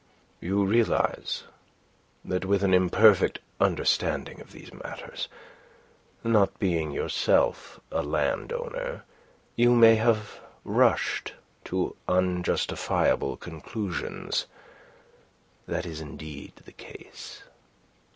"You realize that with an imperfect understanding of these matters, not being yourself a landowner, you may have rushed to unjustifiable conclusions. That is indeed the case.